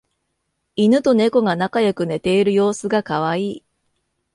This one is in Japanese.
イヌとネコが仲良く寝ている様子がカワイイ